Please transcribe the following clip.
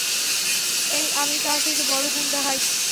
এই আমি তার থেকে বড় গুন্ডা, - হাই।